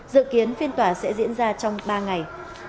dự kiến phiên tòa sẽ diễn ra trong ba ngày